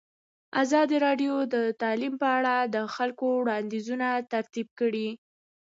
ازادي راډیو د تعلیم په اړه د خلکو وړاندیزونه ترتیب کړي.